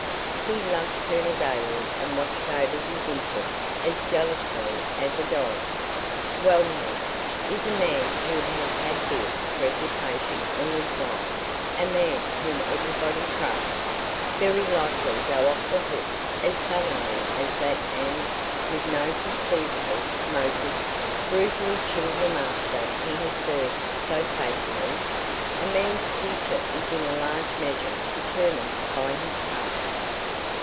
He loved Colonel Gaylord and watched over his interests as jealously as a dog. Well now, is a man who has had this reputation all his life, a man whom everybody trusts, very likely to go off the hook as suddenly as that and with no conceivable motive brutally kill the master he has served so faithfully? A man's future is in a large measure determined by his past."